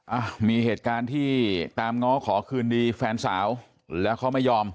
อ่ะมีเหตุการณ์ที่ตามง้อขอคืนดีแฟนสาวแล้วเขาไม่ยอม